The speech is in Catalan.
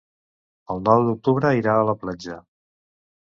El nou d'octubre irà a la platja.